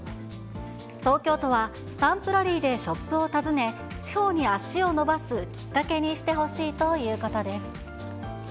東京都は、スタンプラリーでショップを訪ね、地方に足を伸ばすきっかけにしてほしいということです。